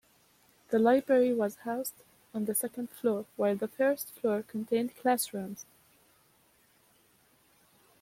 The library was housed on the second floor, while the first floor contained classrooms.